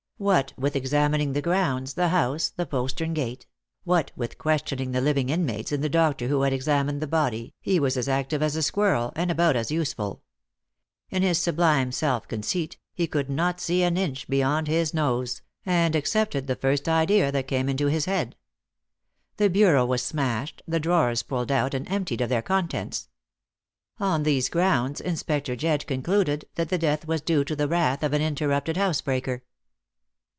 What with examining the grounds, the house, the postern gate; what with questioning the living inmates and the doctor who had examined the body, he was as active as a squirrel, and about as useful. In his sublime self conceit he could not see an inch beyond his nose, and accepted the first idea that came into his head. The bureau was smashed, the drawers pulled out and emptied of their contents. On these grounds Inspector Jedd concluded that the death was due to the wrath of an interrupted housebreaker.